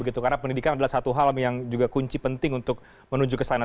karena pendidikan adalah satu hal yang juga kunci penting untuk menuju ke sana